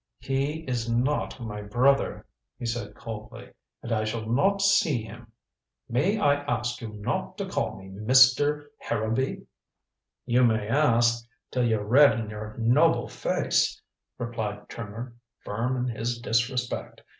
"He is not my brother," he said coldly, "and I shall not see him. May I ask you not to call me Mr. Harrowby?" "You may ask till you're red in your noble face," replied Trimmer, firm in his disrespect.